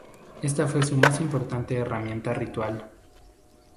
Esta fue su más importante herramienta ritual.